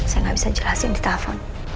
saya gak bisa jelasin di telepon